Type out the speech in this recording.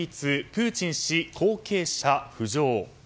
プーチン氏後継者浮上。